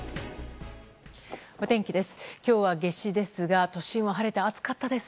お天気です。